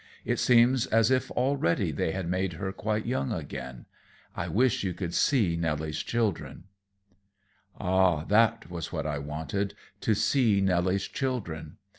It seems as if already they had made her quite young again. I wish you could see Nelly's children." Ah, that was what I wanted, to see Nelly's children!